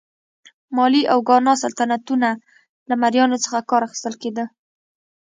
مالي او ګانا سلطنتونه له مریانو څخه کار اخیستل کېده.